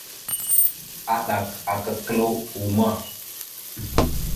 Aɗak aka kəla uma.